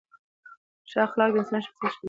ښه اخلاق د انسان شخصیت ښکلي کوي.